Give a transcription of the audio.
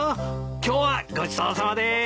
今日はごちそうさまです。